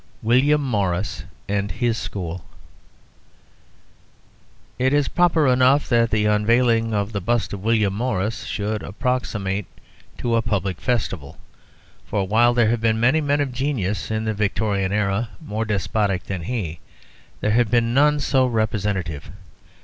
WILLIAM MORRIS AND HIS SCHOOL It is proper enough that the unveiling of the bust of William Morris should approximate to a public festival, for while there have been many men of genius in the Victorian era more despotic than he, there have been none so representative.